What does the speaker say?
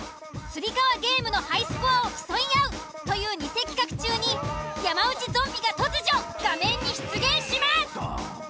つり革ゲームのハイスコアを競い合うというニセ企画中に山内ゾンビが突如画面に出現します！